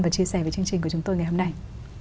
và chia sẻ với chương trình của chúng tôi ngày hôm nay